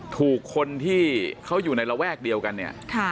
ถูกคนที่เขาอยู่ในระแวกเดียวกันเนี่ย